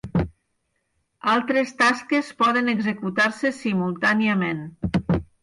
Altres tasques poden executar-se simultàniament.